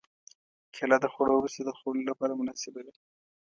کېله د خوړو وروسته د خوړلو لپاره مناسبه ده.